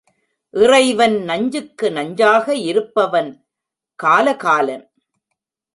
இறைவன் நஞ்சுக்கு நஞ்சாக இருப்பவன் காலகாலன்.